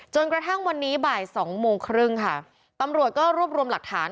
จนกระทั่งวันนี้บ่ายสองโมงครึ่งค่ะตำรวจก็รวบรวมหลักฐาน